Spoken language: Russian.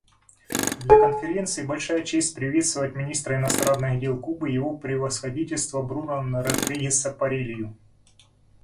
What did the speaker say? Для Конференции большая честь приветствовать министра иностранных дел Кубы Его Превосходительство Бруно Родригеса Паррилью.